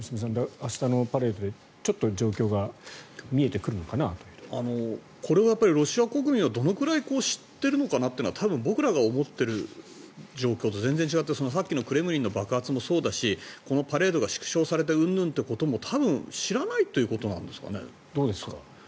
明日のパレードでちょっと状況がこれをロシア国民はどれくらい知ってるのかなというのは多分僕らが思っている状況とは全然違ってさっきのクレムリンも爆発もそうだしパレードが縮小されてうんぬんというのも多分、知らないということなんですかね。